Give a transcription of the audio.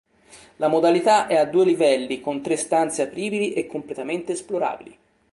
La modalità è a due livelli con tre stanze apribili e completamente esplorabili.